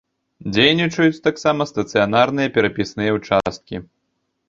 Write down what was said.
Дзейнічаюць таксама стацыянарныя перапісныя ўчасткі.